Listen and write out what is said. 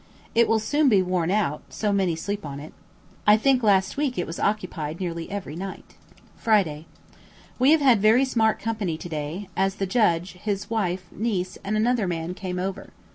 It will soon be worn out, so many sleep on it. I think last week it was occupied nearly every night. Friday. We have had very smart company to day, as the judge, his wife, niece, and another man came over.